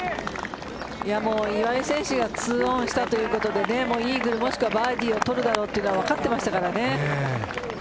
岩井選手が２オンしたということでイーグル、もしくはバーディーを取るだろうというのは分かっていましたからね。